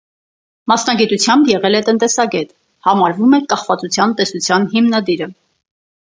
Մասնագիտությամբ եղել է տնտեսագետ, համարվում է «կախվածության տեսության» հիմնադիրը։